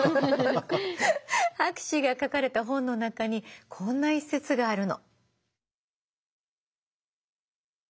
博士が書かれた本の中にこんな一節があるの。